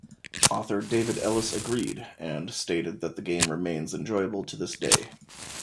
Author David Ellis agreed, and stated that the game remains enjoyable to this day.